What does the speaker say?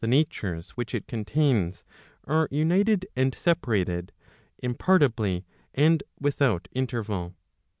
419 natures which it contains are united and separated, impartibly and with¬ out interval.